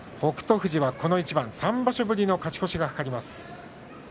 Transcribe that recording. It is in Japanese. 富士はこの一番３場所ぶりの勝ち越しが懸かります。